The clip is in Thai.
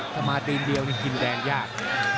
ถ้ามาตีนเดียวนี่กินแดงยาก